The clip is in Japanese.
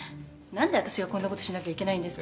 何で私がこんなことしなきゃいけないんですか？